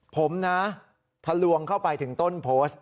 ผมนะทะลวงเข้าไปถึงต้นโพสต์